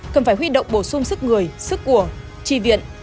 cần phải huy động bổ sung sức người sức của tri viện